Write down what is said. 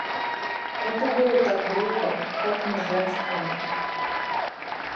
Это было так грубо, так неженственно.